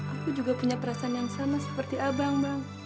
aku juga punya perasaan yang sama seperti abang bang